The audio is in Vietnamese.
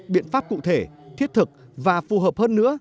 biện pháp cụ thể thiết thực và phù hợp hơn nữa